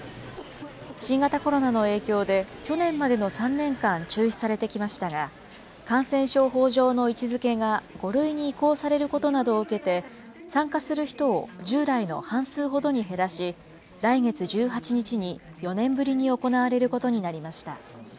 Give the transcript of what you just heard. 新型コロナの影響で、去年までの３年間中止されてきましたが、感染症法上の位置づけが５類に移行されることなどを受けて、参加する人を従来の半数ほどに減らし、来月１８日に４年ぶりに行われることになりました。